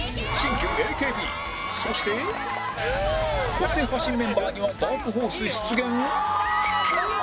個性派新メンバーにはダークホース出現？